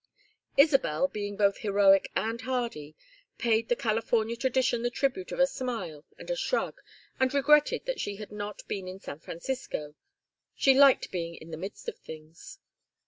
Isabel being both heroic and hardy, paid the California tradition the tribute of a smile and a shrug, and regretted that she had not been in San Francisco; she "liked being in the midst of things."